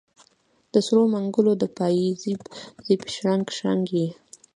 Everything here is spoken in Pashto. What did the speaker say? د سرو منګولو د پایزیب شرنګ، شرنګ یې